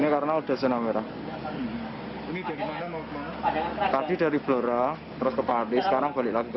kalau di gelerah sendiri mas pada gak